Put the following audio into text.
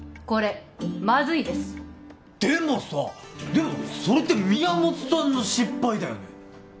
これマズいですでもさでもそれって宮本さんの失敗だよね